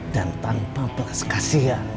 dan tanpa pelas kasihan